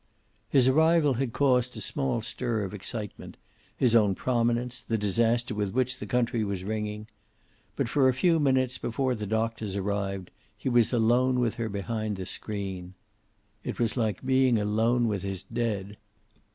His arrival had caused a small stir of excitement, his own prominence, the disaster with which the country was ringing. But for a few minutes, before the doctors arrived, he was alone with her behind the screen. It was like being alone with his dead.